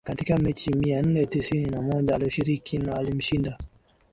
Katika mechi mia nne tisini na moja alizoshiriki na alimshinda